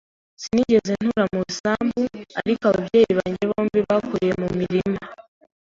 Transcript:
Sinigeze ntura mu isambu, ariko ababyeyi banjye bombi bakuriye mu mirima.